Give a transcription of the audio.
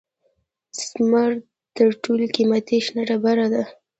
زمرد تر ټولو قیمتي شنه ډبره ده.